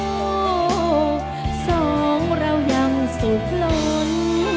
สองเรายังสุขล้น